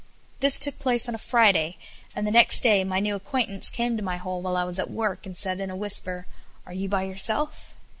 This took place on a Friday, and the next day my new acquaintance came to my hole while I was at work, and said in a whisper: "Are you by yourself?"